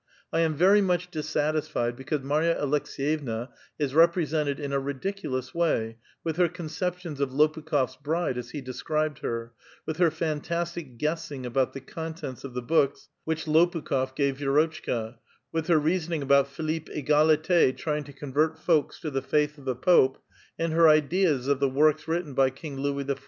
I am very much dissatisfied be cause Marya Aleks^yevna is represented in a ridiculous way with her conceptions of Lopukh6f 's bride as he described her, with her fantastic guessing about the contents of the books which Lopukh6f gave Vi^rotchka, with her reasoning about Philippe Egalit4 trying to convert folks to the faith of the Pope, and her ideas of the works written by King Louis XIV.